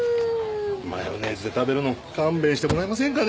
マヨネーズで食べるの勘弁してもらえませんかね？